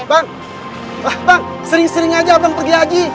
bang bang sering sering aja abang pergi haji